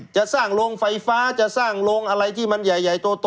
จะสร้างโรงไฟฟ้าจะสร้างโรงอะไรที่มันใหญ่โต